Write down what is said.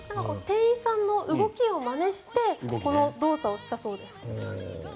店員さんの動きをまねしてこの動作をしたようです。